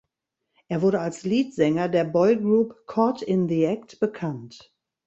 Er wurde als Leadsänger der Boygroup Caught in the Act bekannt.